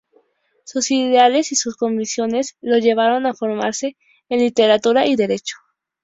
Sus ideales y sus convicciones lo llevaron a formarse en literatura y derecho.